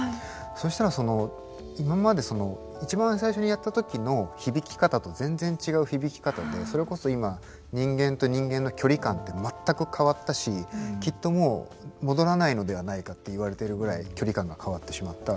そしたらその今まで一番最初にやった時の響き方と全然違う響き方でそれこそ今人間と人間の距離間って全く変わったしきっともう戻らないのではないかっていわれているぐらい距離感が変わってしまった。